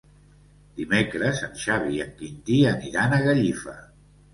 Dimecres en Xavi i en Quintí aniran a Gallifa.